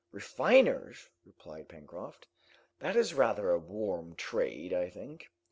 "Refiners!" replied Pencroft. "That is rather a warm trade, I think."